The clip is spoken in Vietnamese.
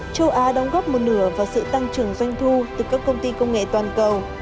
châu á đóng góp một nửa vào sự tăng trưởng doanh thu từ các công ty công nghệ toàn cầu